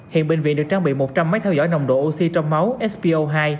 hiện bệnh viện được trang bị một trăm linh máy theo dõi nồng độ oxy trong máu spo hai